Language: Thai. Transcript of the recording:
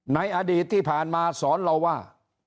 ในอดีตที่ผ่านมาสอนเราว่า